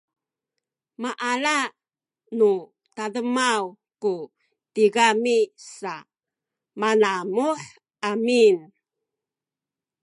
maala nu tademaw ku tigami sa manamuh amin